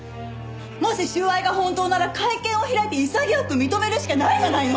もし収賄が本当なら会見を開いて潔く認めるしかないじゃないの！